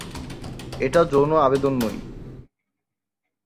এটা যৌন আবেদনময়ী।